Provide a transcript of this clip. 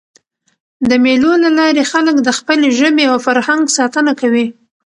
د مېلو له لاري خلک د خپلي ژبي او فرهنګ ساتنه کوي.